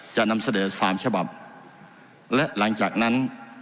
จะนำเสนอสามฉบับและหลังจากนั้น